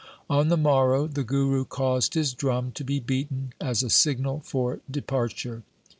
On the morrow the Guru caused his drum to be beaten as a signal for departure.